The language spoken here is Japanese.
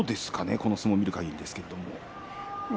この相撲を見るかぎりですけど。